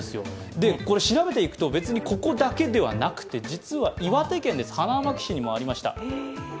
調べていくと、ここだけではなくて岩手県の花巻市にもありました。